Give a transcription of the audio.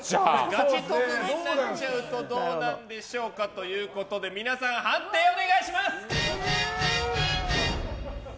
ガチ特技になっちゃうとどうなっちゃうんでしょうかということで皆さん、判定をお願いします。